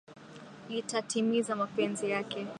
Litatimiza mapenzi yake.